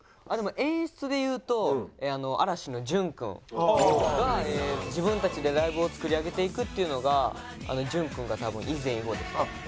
演出で言うと嵐の潤君。が自分たちでライブを作り上げていくっていうのが潤君が多分以前以後ですね。